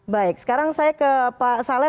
baik sekarang saya ke pak saleh